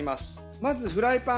まず、フライパン。